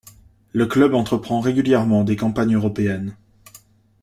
Le club entreprend régulièrement des campagnes européennes.